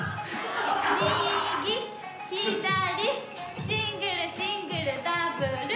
右左シングルシングルダブル。